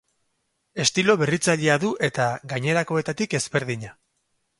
Estilo berritzailea du eta gainerakoetatik ezberdina.